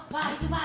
pak itu pak